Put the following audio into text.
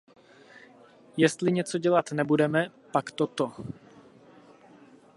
Jestli něco dělat nebudeme, pak toto.